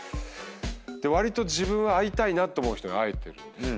わりと自分は会いたいなって思う人に会えてるんですよ。